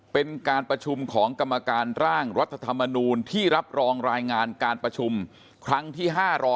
เป็นการประชุมของกรรมการร่างรัฐธรรมนูลที่รับรองรายงานการประชุมครั้งที่๕๐๐